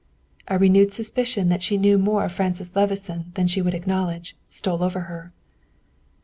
A renewed suspicion that she knew more of Francis Levison than she would acknowledge, stole over her.